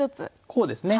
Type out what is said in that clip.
こうですね。